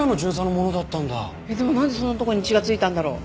でもなんでそんなとこに血が付いたんだろう？